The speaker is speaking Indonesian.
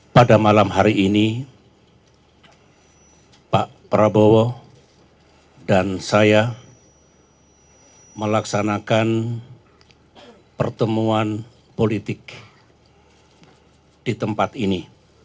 pada malam hari ini pak prabowo dan saya melaksanakan pertemuan politik di tempat ini